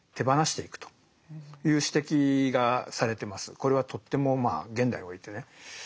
これはとっても現代においてね